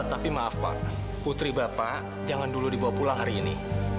tapi maaf pak putri bapak jangan dulu dibawa pulang hari ini